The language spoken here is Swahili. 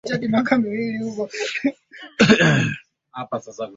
Mto Ugala unapokea maji kutoka katika eneo la kilometa za mraba